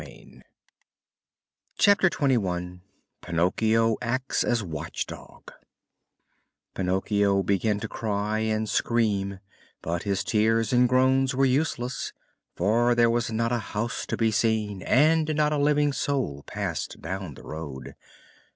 CHAPTER XXI PINOCCHIO ACTS AS WATCH DOG Pinocchio began to cry and scream, but his tears and groans were useless, for there was not a house to be seen, and not a living soul passed down the road.